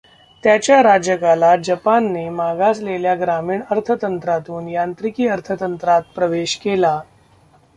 त्याच्या राज्यकालात जपानने मागासलेल्या, ग्रामीण अर्थतंत्रातून यांत्रिकी अर्थतंत्रात प्रवेश केला.